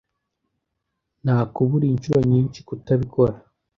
Nakuburiye inshuro nyinshi kutabikora.